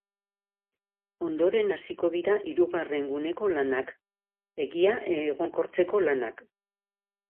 Ondoren hasiko dira hirugarren guneko lanak, hegia egonkortzeko lanak.